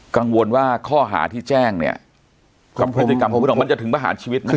กังวลว่าข้อหาที่แจ้งเนี้ยความผิดกันของพวกต่อไปจะถึงประหารชีวิต